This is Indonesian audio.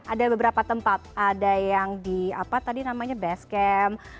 ada beberapa tempat ada yang di apa tadi namanya base camp